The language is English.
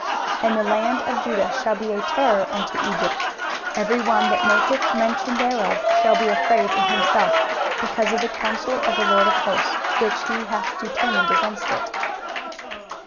23:019:017 And the land of Judah shall be a terror unto Egypt, every one that maketh mention thereof shall be afraid in himself, because of the counsel of the LORD of hosts, which he hath determined against it.